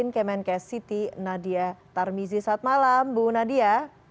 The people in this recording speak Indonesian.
kemenkes city nadia tarmizi saat malam bu nadia